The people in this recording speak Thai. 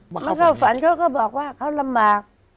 มาเข้าฝันเขาก็บอกว่าเขาลำบาก